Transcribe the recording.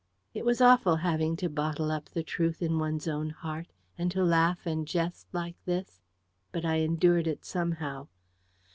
It was awful having to bottle up the truth in one's own heart, and to laugh and jest like this; but I endured it somehow.